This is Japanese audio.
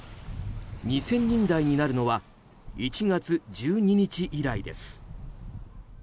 ２０００人台になるのは１月１２日以来です。